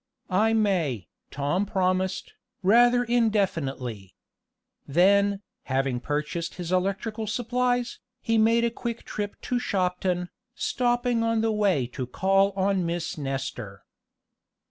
"I may," Tom promised, rather indefinitely. Then, having purchased his electrical supplies, he made a quick trip to Shopton, stopping on the way to call on Miss Nestor.